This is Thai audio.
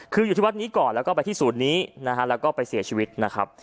คืออยู่ที่วัดนี้ก่อนแล้วก็ไปที่ศูนย์นี้นะฮะแล้วก็ไปเสียชีวิตนะครับ